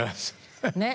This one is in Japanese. ねっ？